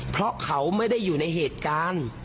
เพราะเขาไม่ได้อยู่ในเหตุการณ์